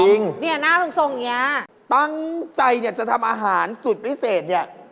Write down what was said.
จริงหน้าตรงเนี้ยตั้งใจจะทำอาหารสุดพิเศษเนี่ย